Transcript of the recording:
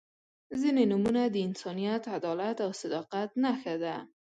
• ځینې نومونه د انسانیت، عدالت او صداقت نښه ده.